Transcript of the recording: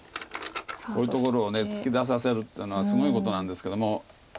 こういうところを突き出させるっていうのはすごいことなんですけども。